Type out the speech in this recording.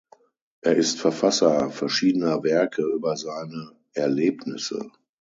Er ist Verfasser verschiedener Werke über seine Erlebnisse.